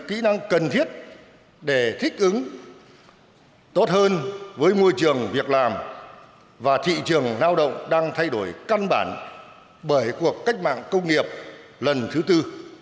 kỹ năng cần thiết để thích ứng tốt hơn với môi trường việc làm và thị trường lao động đang thay đổi căn bản bởi cuộc cách mạng công nghiệp lần thứ tư